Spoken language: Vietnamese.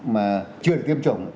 mà chưa được tiêm chủng